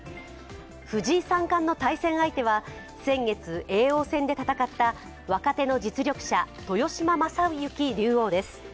藤井三冠の対戦相手は先月、叡王戦で戦った若手の実力者、豊島将之竜王です。